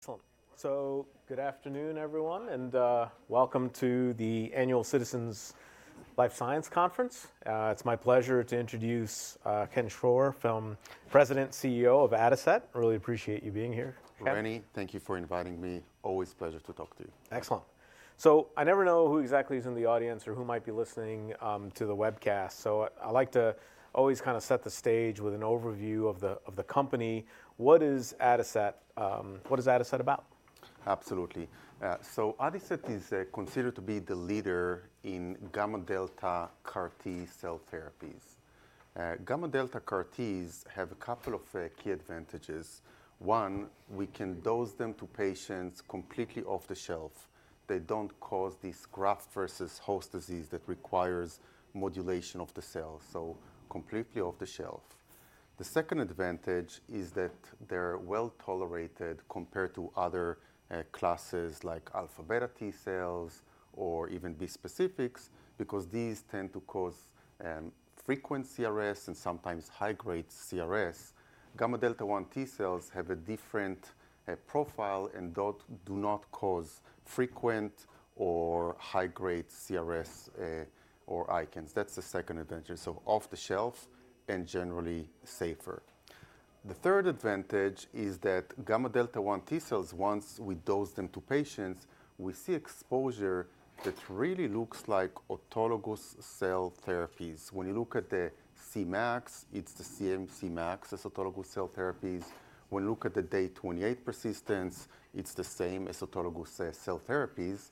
Excellent. Good afternoon, everyone, and welcome to the annual Citizens Life Science Conference. It's my pleasure to introduce Chen Schor, President and CEO of Adicet Bio. Really appreciate you being here. Good morning. Thank you for inviting me. Always a pleasure to talk to you. Excellent. I never know who exactly is in the audience or who might be listening to the webcast. I like to always kind of set the stage with an overview of the company. What is Adicet? What is Adicet about? Absolutely. Adicet is considered to be the leader in gamma delta CAR T cell therapies. Gamma delta CAR Ts have a couple of key advantages. One, we can dose them to patients completely off the shelf. They do not cause this graft versus host disease that requires modulation of the cells. Completely off the shelf. The second advantage is that they are well tolerated compared to other classes like alpha beta T cells or even bispecifics, because these tend to cause frequent CRS and sometimes high grade CRS. Gamma delta 1 T cells have a different profile and do not cause frequent or high grade CRS or ICANS. That is the second advantage. Off the shelf and generally safer. The third advantage is that gamma delta 1 T cells, once we dose them to patients, we see exposure that really looks like autologous cell therapies. When you look at the Cmax, it's the same Cmax as autologous cell therapies. When you look at the day 28 persistence, it's the same as autologous cell therapies.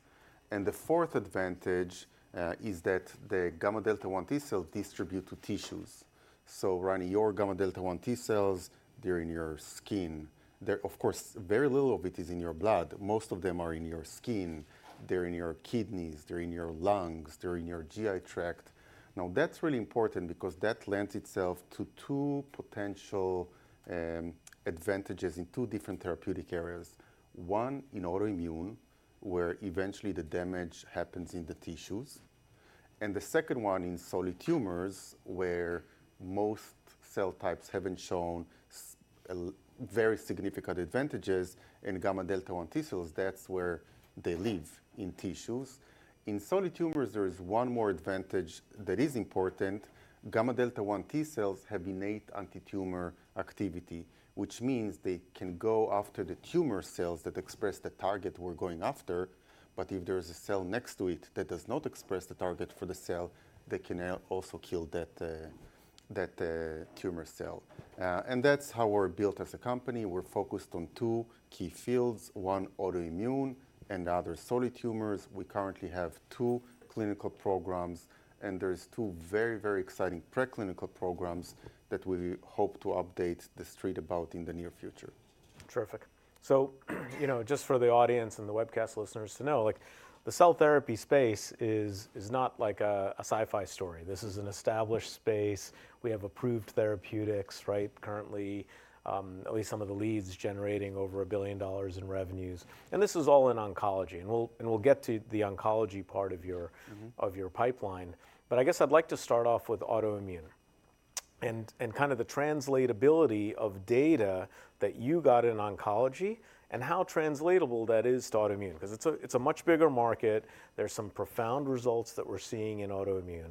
The fourth advantage is that the gamma delta 1 T cells distribute to tissues. Running your gamma delta 1 T cells during your skin, of course, very little of it is in your blood. Most of them are in your skin. They're in your kidneys. They're in your lungs. They're in your GI tract. That is really important because that lends itself to two potential advantages in two different therapeutic areas. One in autoimmune, where eventually the damage happens in the tissues. The second one in solid tumors, where most cell types haven't shown very significant advantages. In gamma delta 1 T cells, that's where they live in tissues. In solid tumors, there is one more advantage that is important. Gamma delta 1 T cells have innate anti-tumor activity, which means they can go after the tumor cells that express the target we're going after. If there is a cell next to it that does not express the target for the cell, they can also kill that tumor cell. That is how we're built as a company. We're focused on two key fields, one autoimmune and other solid tumors. We currently have two clinical programs, and there are two very, very exciting preclinical programs that we hope to update the street about in the near future. Terrific. Just for the audience and the webcast listeners to know, the cell therapy space is not like a sci-fi story. This is an established space. We have approved therapeutics, right? Currently, at least some of the leads generating over a billion dollars in revenues. This is all in oncology. We will get to the oncology part of your pipeline. I guess I'd like to start off with autoimmune and kind of the translatability of data that you got in oncology and how translatable that is to autoimmune, because it is a much bigger market. There are some profound results that we are seeing in autoimmune.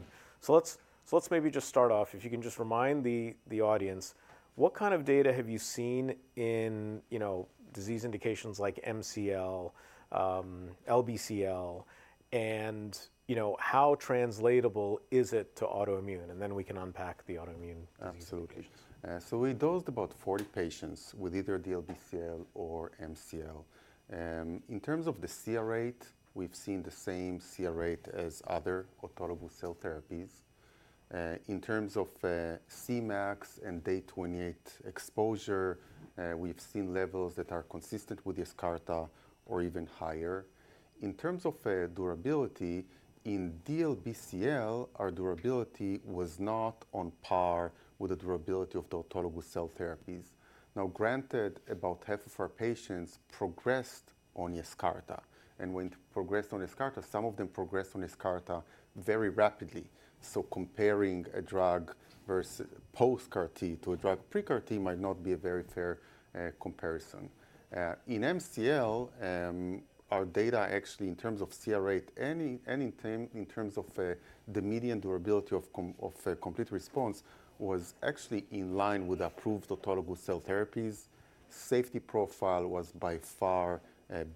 Let's maybe just start off, if you can just remind the audience, what kind of data have you seen in disease indications like MCL, LBCL, and how translatable is it to autoimmune? Then we can unpack the autoimmune disease. Absolutely. We dosed about 40 patients with either the LBCL or MCL. In terms of the CR rate, we've seen the same CR rate as other autologous cell therapies. In terms of Cmax and day 28 exposure, we've seen levels that are consistent with Yescarta or even higher. In terms of durability, in DLBCL, our durability was not on par with the durability of the autologous cell therapies. Now, granted, about half of our patients progressed on Yescarta. When they progressed on Yescarta, some of them progressed on Yescarta very rapidly. Comparing a drug versus post CAR T to a drug pre CAR T might not be a very fair comparison. In MCL, our data actually, in terms of CR rate, and in terms of the median durability of complete response, was actually in line with approved autologous cell therapies. Safety profile was by far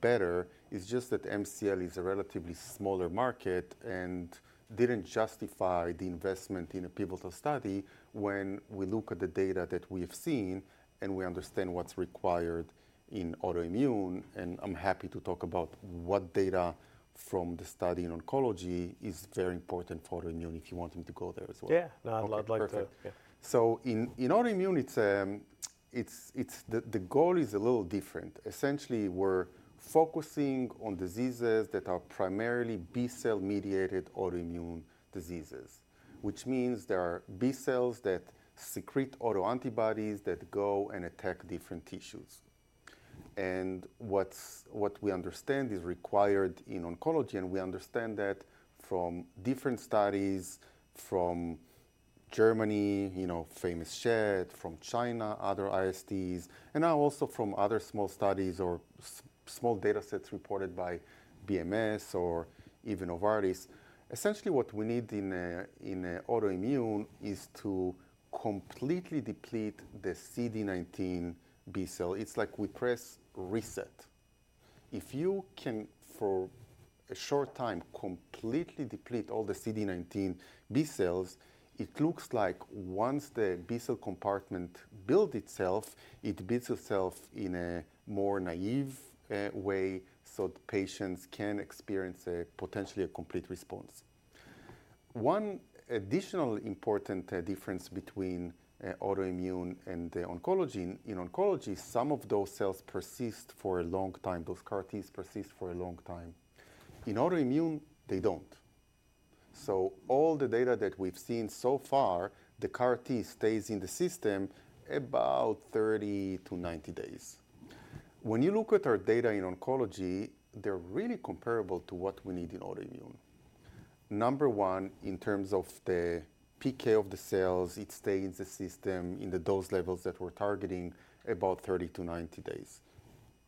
better. It's just that MCL is a relatively smaller market and didn't justify the investment in a pivotal study when we look at the data that we have seen and we understand what's required in autoimmune. I'm happy to talk about what data from the study in oncology is very important for autoimmune if you want to go there as well. Yeah. No, I'd like to. In autoimmune, the goal is a little different. Essentially, we're focusing on diseases that are primarily B cell mediated autoimmune diseases, which means there are B cells that secrete autoantibodies that go and attack different tissues. What we understand is required in oncology. We understand that from different studies from Germany, famous Schett from China, other ISDs, and now also from other small studies or small data sets reported by BMS or even Novartis. Essentially, what we need in autoimmune is to completely deplete the CD19 B cell. It's like we press reset. If you can, for a short time, completely deplete all the CD19 B cells, it looks like once the B cell compartment builds itself, it builds itself in a more naive way so the patients can experience potentially a complete response. One additional important difference between autoimmune and oncology, in oncology, some of those cells persist for a long time. Those CAR Ts persist for a long time. In autoimmune, they do not. All the data that we have seen so far, the CAR T stays in the system about 30 days-90 days. When you look at our data in oncology, they are really comparable to what we need in autoimmune. Number one, in terms of the PK of the cells, it stays in the system in the dose levels that we are targeting about 30 days-90 days,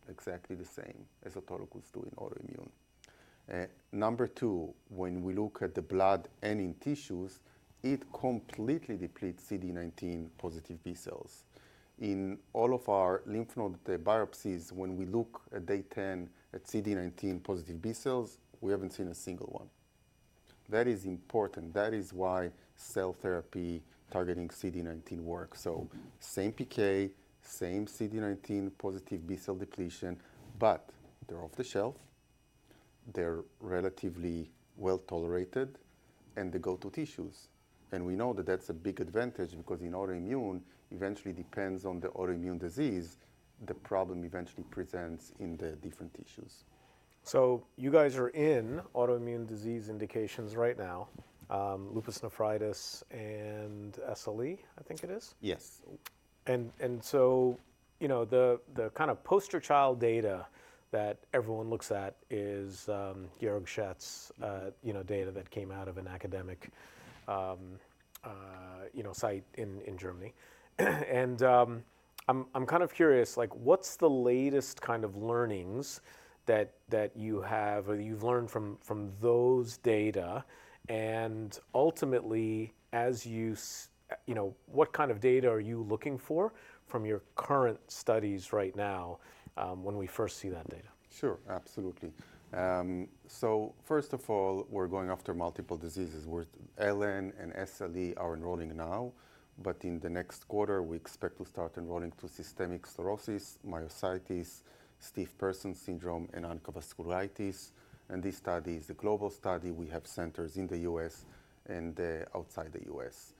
exactly the same as autologous do in autoimmune. Number two, when we look at the blood and in tissues, it completely depletes CD19 positive B cells. In all of our lymph node biopsies, when we look at day 10 at CD19 positive B cells, we have not seen a single one. That is important. That is why cell therapy targeting CD19 works. Same PK, same CD19 positive B cell depletion, but they're off the shelf. They're relatively well tolerated, and they go to tissues. We know that that's a big advantage because in autoimmune, eventually depends on the autoimmune disease, the problem eventually presents in the different tissues. You guys are in autoimmune disease indications right now, lupus nephritis and SLE, I think it is. Yes. The kind of poster child data that everyone looks at is Georg Schett's data that came out of an academic site in Germany. I'm kind of curious, what's the latest kind of learnings that you have or you've learned from those data? Ultimately, what kind of data are you looking for from your current studies right now when we first see that data? Sure. Absolutely. First of all, we're going after multiple diseases. LN and SLE are enrolling now, but in the next quarter, we expect to start enrolling to systemic sclerosis, myositis, stiff person syndrome, and oncovascularitis. This study is a global study. We have centers in the U.S. and outside the U.S.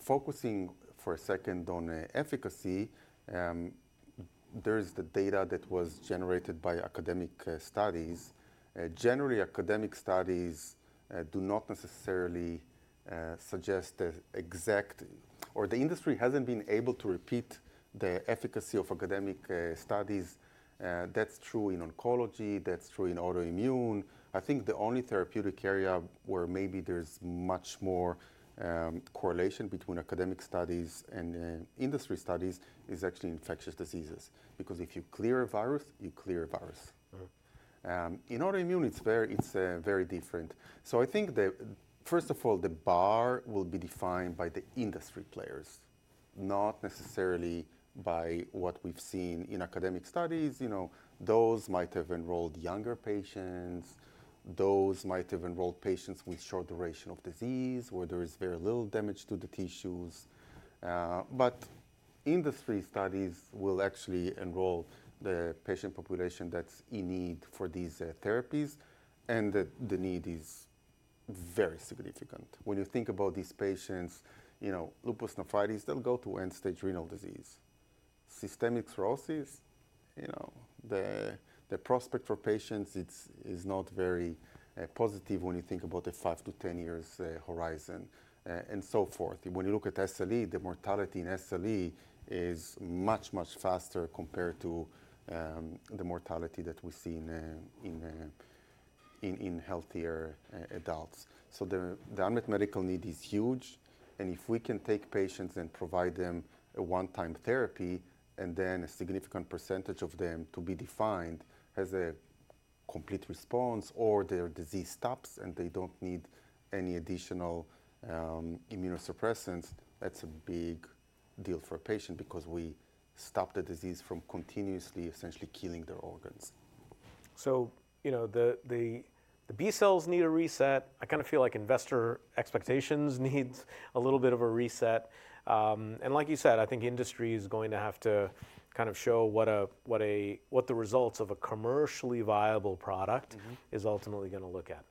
Focusing for a second on efficacy, there is the data that was generated by academic studies. Generally, academic studies do not necessarily suggest the exact or the industry has not been able to repeat the efficacy of academic studies. That is true in oncology. That is true in autoimmune. I think the only therapeutic area where maybe there is much more correlation between academic studies and industry studies is actually infectious diseases, because if you clear a virus, you clear a virus. In autoimmune, it is very different. I think, first of all, the bar will be defined by the industry players, not necessarily by what we've seen in academic studies. Those might have enrolled younger patients. Those might have enrolled patients with short duration of disease where there is very little damage to the tissues. Industry studies will actually enroll the patient population that's in need for these therapies, and the need is very significant. When you think about these patients, lupus nephritis, they'll go to end stage renal disease. Systemic sclerosis, the prospect for patients is not very positive when you think about the 5 years-10 years horizon and so forth. When you look at SLE, the mortality in SLE is much, much faster compared to the mortality that we see in healthier adults. The unmet medical need is huge. If we can take patients and provide them a one-time therapy and then a significant percentage of them to be defined has a complete response or their disease stops and they do not need any additional immunosuppressants, that's a big deal for a patient because we stop the disease from continuously essentially killing their organs. The B cells need a reset. I kind of feel like investor expectations need a little bit of a reset. Like you said, I think industry is going to have to kind of show what the results of a commercially viable product is ultimately going to look at.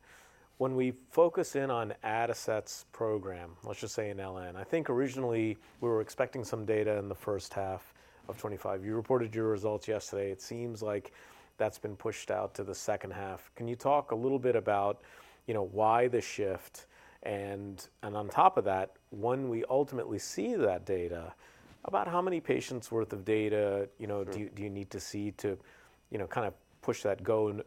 When we focus in on Adicet's program, let's just say in LN, I think originally we were expecting some data in the first half of 2025. You reported your results yesterday. It seems like that's been pushed out to the second half. Can you talk a little bit about why the shift? On top of that, when we ultimately see that data, about how many patients' worth of data do you need to see to kind of push that go,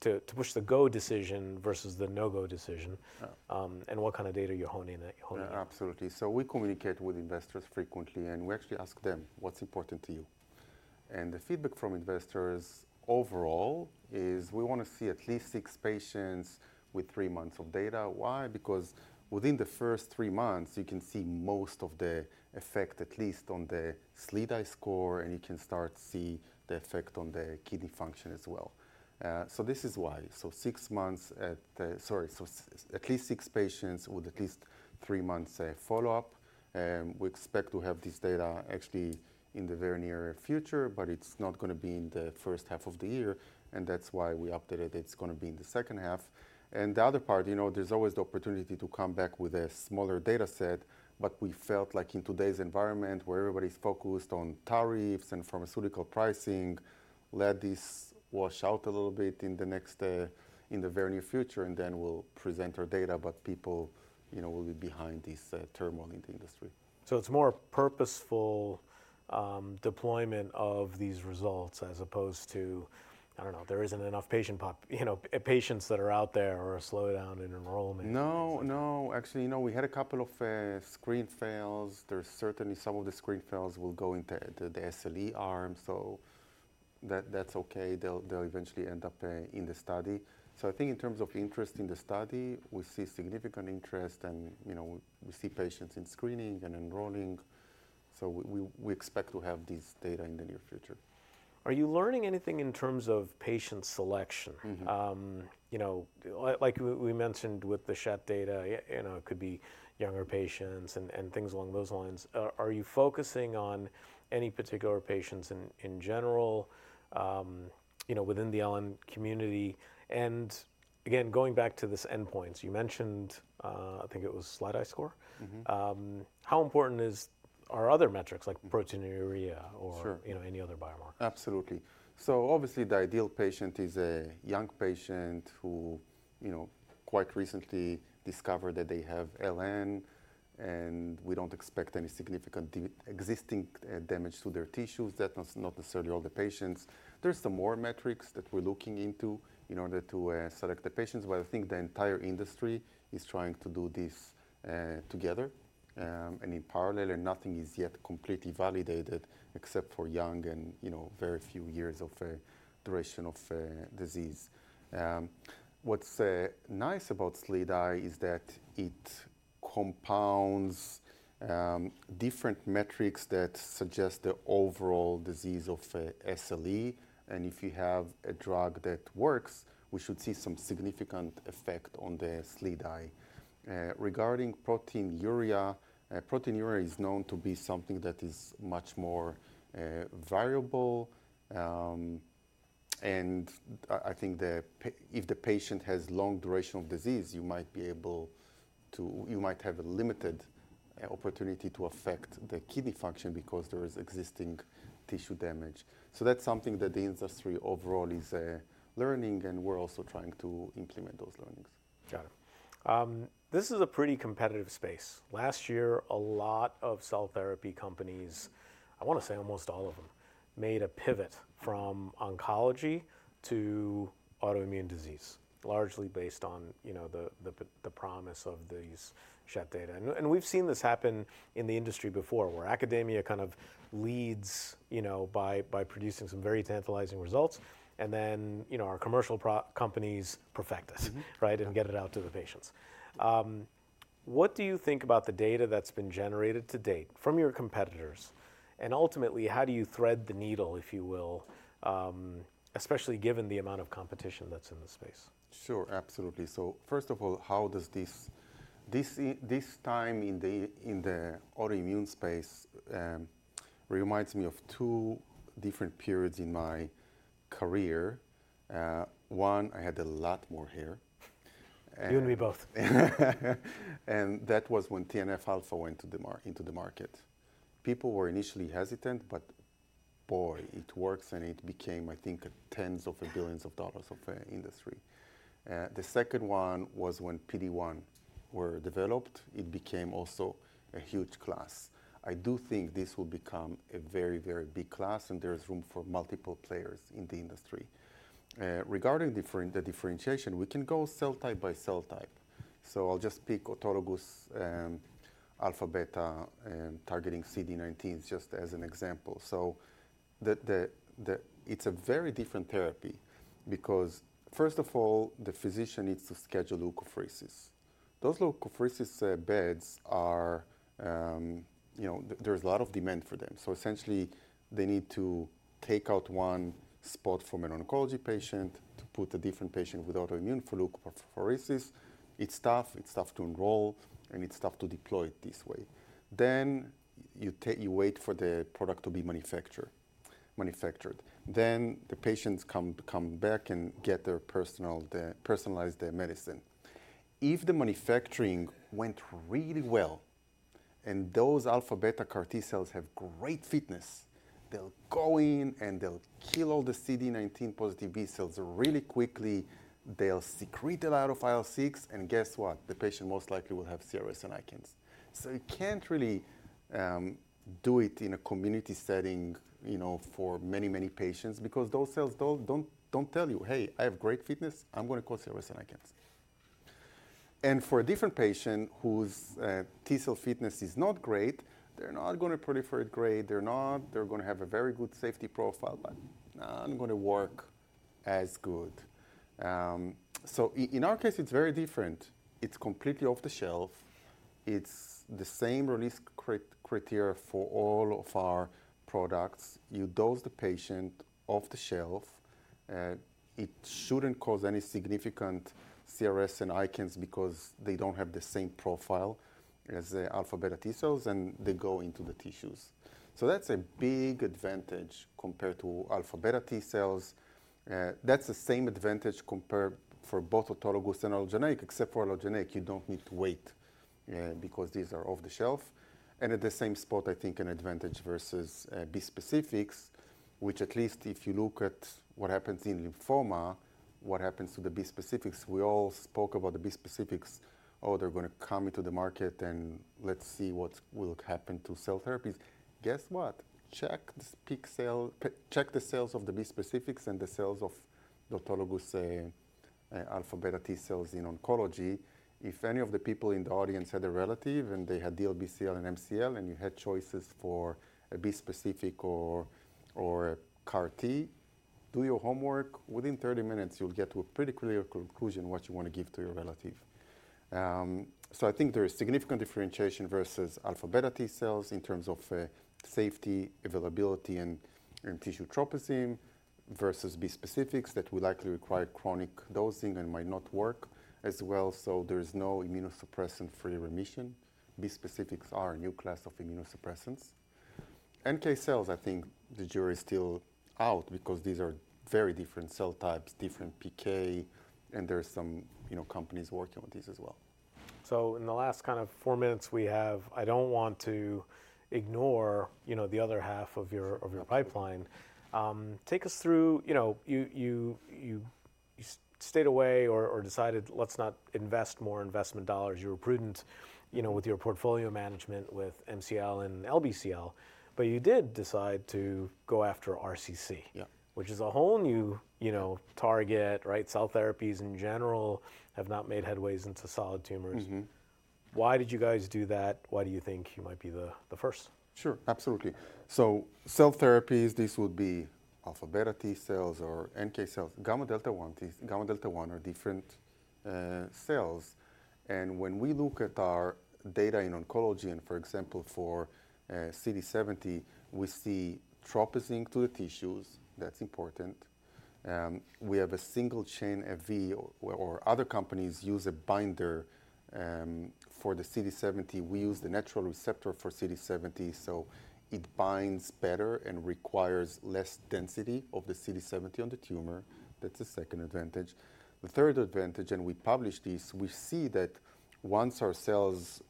to push the go decision versus the no-go decision? What kind of data are you honing? Absolutely. We communicate with investors frequently, and we actually ask them, what's important to you? The feedback from investors overall is we want to see at least six patients with three months of data. Why? Because within the first three months, you can see most of the effect, at least on the SLEDAI score, and you can start to see the effect on the kidney function as well. This is why. At least six patients with at least three months follow-up. We expect to have this data actually in the very near future, but it's not going to be in the first half of the year. That is why we updated it. It's going to be in the second half. The other part, there's always the opportunity to come back with a smaller data set. We felt like in today's environment, where everybody's focused on tariffs and pharmaceutical pricing, let this wash out a little bit in the very near future, and then we'll present our data, but people will be behind this turmoil in the industry. So it's more purposeful deployment of these results as opposed to, I don't know, there isn't enough patients that are out there or a slowdown in enrollment. No, no. Actually, we had a couple of screen fails. There's certainly some of the screen fails will go into the SLE arm. That's OK. They'll eventually end up in the study. I think in terms of interest in the study, we see significant interest, and we see patients in screening and enrolling. We expect to have this data in the near future. Are you learning anything in terms of patient selection? Like we mentioned with the Schett data, it could be younger patients and things along those lines. Are you focusing on any particular patients in general within the LN community? Again, going back to this endpoint, you mentioned, I think it was SLEDAI score, how important are other metrics like proteinuria or any other biomarkers? Absolutely. Obviously, the ideal patient is a young patient who quite recently discovered that they have LN, and we do not expect any significant existing damage to their tissues. That is not necessarily all the patients. There are some more metrics that we are looking into in order to select the patients. I think the entire industry is trying to do this together and in parallel, and nothing is yet completely validated except for young and very few years of duration of disease. What is nice about SLEDAI is that it compounds different metrics that suggest the overall disease of SLE. If you have a drug that works, we should see some significant effect on the SLEDAI. Regarding proteinuria, proteinuria is known to be something that is much more variable. I think if the patient has long duration of disease, you might be able to, you might have a limited opportunity to affect the kidney function because there is existing tissue damage. That is something that the industry overall is learning, and we are also trying to implement those learnings. Got it. This is a pretty competitive space. Last year, a lot of cell therapy companies, I want to say almost all of them, made a pivot from oncology to autoimmune disease, largely based on the promise of these Schett data. We have seen this happen in the industry before where academia kind of leads by producing some very tantalizing results. Then our commercial companies perfect this and get it out to the patients. What do you think about the data that has been generated to date from your competitors? Ultimately, how do you thread the needle, if you will, especially given the amount of competition that is in the space? Sure. Absolutely. First of all, how does this time in the autoimmune space remind me of two different periods in my career? One, I had a lot more hair. You and me both. That was when TNF alpha went into the market. People were initially hesitant, but boy, it works. It became, I think, tens of billions of dollars of industry. The second one was when PD-1 were developed. It became also a huge class. I do think this will become a very, very big class, and there is room for multiple players in the industry. Regarding the differentiation, we can go cell type by cell type. I'll just pick autologous alpha beta targeting CD19s just as an example. It's a very different therapy because, first of all, the physician needs to schedule leukapheresis. Those leukapheresis beds are, there's a lot of demand for them. Essentially, they need to take out one spot from an oncology patient to put a different patient with autoimmune for leukapheresis. It's tough. It's tough to enroll, and it's tough to deploy it this way. You wait for the product to be manufactured. The patients come back and get their personalized medicine. If the manufacturing went really well and those alpha beta CAR-T cells have great fitness, they'll go in and they'll kill all the CD19 positive B cells really quickly. They'll secrete a lot of IL-6. Guess what? The patient most likely will have serious ICANS. You can't really do it in a community setting for many, many patients because those cells don't tell you, hey, I have great fitness. I'm going to cause serious ICANS. For a different patient whose T cell fitness is not great, they're not going to proliferate great. They're going to have a very good safety profile, but not going to work as good. In our case, it's very different. It's completely off the shelf. It's the same release criteria for all of our products. You dose the patient off the shelf. It shouldn't cause any significant serious ICANS because they don't have the same profile as the alpha beta T cells, and they go into the tissues. That's a big advantage compared to alpha beta T cells. That's the same advantage for both autologous and allogeneic, except for allogeneic, you don't need to wait because these are off the shelf. At the same spot, I think an advantage versus bispecifics, which at least if you look at what happens in lymphoma, what happens to the bispecifics, we all spoke about the bispecifics, oh, they're going to come into the market, and let's see what will happen to cell therapies. Guess what? Check the cells of the bispecifics and the cells of the autologous alpha beta T cells in oncology. If any of the people in the audience had a relative and they had DLBCL and MCL, and you had choices for a bispecific or a CAR T, do your homework. Within 30 minutes, you'll get to a pretty clear conclusion what you want to give to your relative. I think there is significant differentiation versus alpha beta T cells in terms of safety, availability, and tissue tropism versus bispecifics that will likely require chronic dosing and might not work as well. There is no immunosuppressant-free remission. Bispecifics are a new class of immunosuppressants. NK cells, I think the jury is still out because these are very different cell types, different PK, and there are some companies working with these as well. In the last kind of four minutes we have, I do not want to ignore the other half of your pipeline. Take us through, you stayed away or decided let's not invest more investment dollars. You were prudent with your portfolio management with MCL and LBCL. You did decide to go after RCC, which is a whole new target, right? Cell therapies in general have not made headways into solid tumors. Why did you guys do that? Why do you think you might be the first? Sure. Absolutely. Cell therapies, these would be alpha beta T cells or NK cells, gamma delta 1 are different cells. When we look at our data in oncology, and for example, for CD70, we see tropism to the tissues. That is important. We have a single chain of V, or other companies use a binder for the CD70. We use the natural receptor for CD70, so it binds better and requires less density of the CD70 on the tumor. That is the second advantage. The third advantage, and we published this, we see that once our cells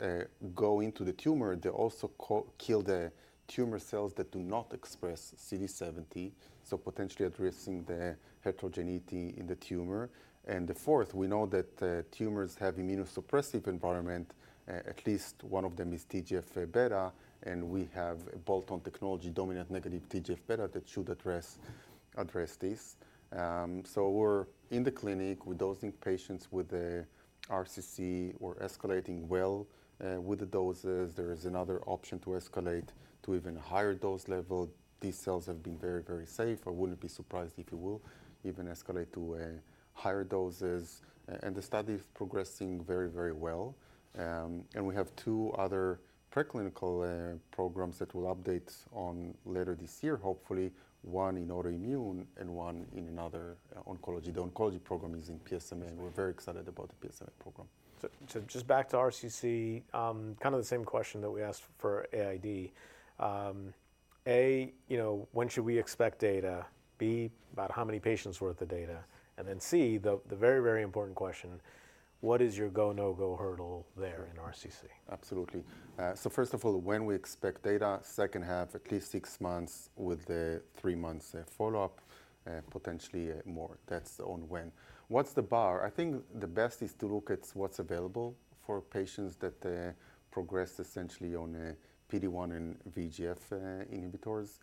go into the tumor, they also kill the tumor cells that do not express CD70, so potentially addressing the heterogeneity in the tumor. The fourth, we know that tumors have immunosuppressive environment. At least one of them is TGF-beta, and we have a bolt-on technology, dominant negative TGF-beta, that should address this. We are in the clinic with dosing patients with RCC or escalating well with the doses. There is another option to escalate to even a higher dose level. These cells have been very, very safe. I would not be surprised if you will even escalate to higher doses. The study is progressing very, very well. We have two other preclinical programs that we will update on later this year, hopefully, one in autoimmune and one in another oncology. The oncology program is in PSMA. We are very excited about the PSMA program. Just back to RCC, kind of the same question that we asked for AID. A, when should we expect data? B, about how many patients worth the data? C, the very, very important question, what is your go, no-go hurdle there in RCC? Absolutely. First of all, when we expect data, second half, at least six months with the three-month follow-up, potentially more. That is on when. What is the bar? I think the best is to look at what is available for patients that progressed essentially on PD-1 and VEGF inhibitors.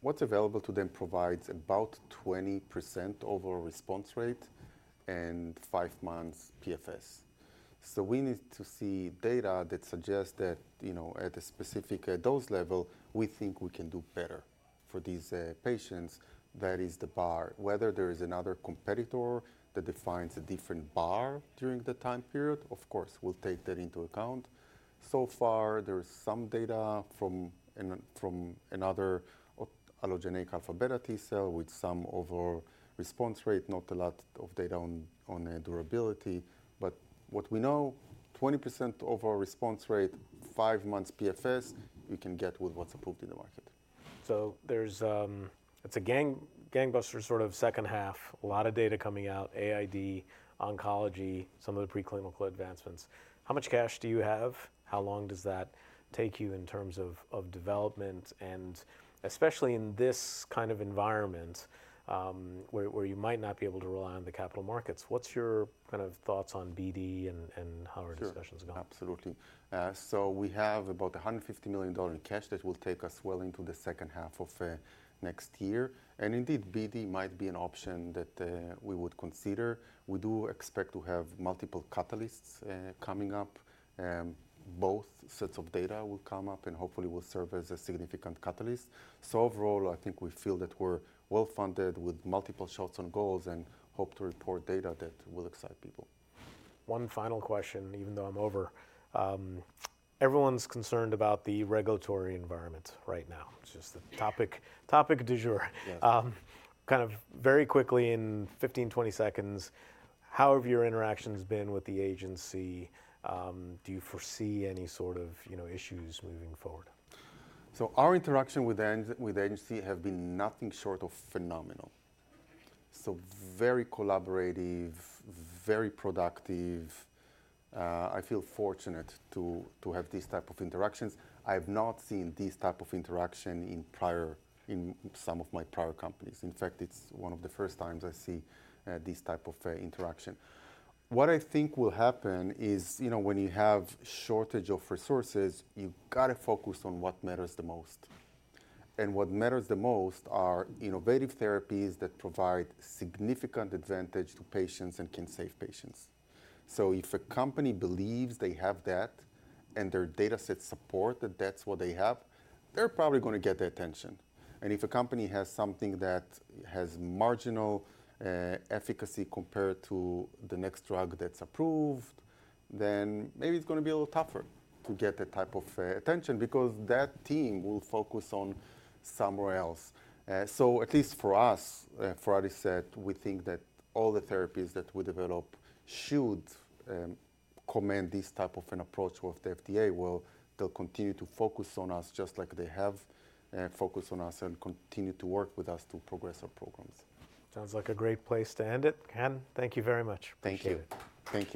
What is available to them provides about 20% overall response rate and five months PFS. We need to see data that suggests that at a specific dose level, we think we can do better for these patients. That is the bar. Whether there is another competitor that defines a different bar during the time period, of course, we will take that into account. So far, there is some data from another allogeneic alpha beta T cell with some overall response rate, not a lot of data on durability. What we know, 20% overall response rate, five months PFS, we can get with what's approved in the market. It's a gangbuster sort of second half. A lot of data coming out, AID, oncology, some of the preclinical advancements. How much cash do you have? How long does that take you in terms of development? Especially in this kind of environment where you might not be able to rely on the capital markets, what's your kind of thoughts on BD and how our discussion's going? Sure. Absolutely. We have about $150 million in cash that will take us well into the second half of next year. Indeed, BD might be an option that we would consider. We do expect to have multiple catalysts coming up. Both sets of data will come up and hopefully will serve as a significant catalyst. Overall, I think we feel that we're well funded with multiple shots on goals and hope to report data that will excite people. One final question, even though I'm over. Everyone's concerned about the regulatory environment right now. It's just the topic du jour. Kind of very quickly in 15 seconds-20 seconds, how have your interactions been with the agency? Do you foresee any sort of issues moving forward? Our interaction with the agency has been nothing short of phenomenal. Very collaborative, very productive. I feel fortunate to have these types of interactions. I have not seen these types of interactions in some of my prior companies. In fact, it's one of the first times I see these types of interactions. What I think will happen is when you have a shortage of resources, you've got to focus on what matters the most. What matters the most are innovative therapies that provide significant advantage to patients and can save patients. If a company believes they have that and their data sets support that that's what they have, they're probably going to get the attention. If a company has something that has marginal efficacy compared to the next drug that's approved, then maybe it's going to be a little tougher to get that type of attention because that team will focus on somewhere else. At least for us, for RCC, we think that all the therapies that we develop should command this type of an approach with the FDA. They will continue to focus on us just like they have focused on us and continue to work with us to progress our programs. Sounds like a great place to end it. Ken, thank you very much. Thank you.